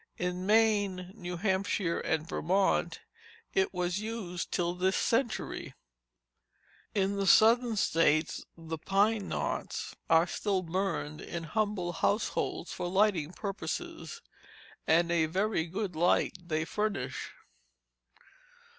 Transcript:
In Maine, New Hampshire, and Vermont it was used till this century. In the Southern states the pine knots are still burned in humble households for lighting purposes, and a very good light they furnish.